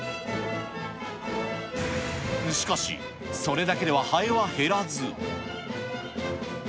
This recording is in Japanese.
しかし、それだけではハエは減らず。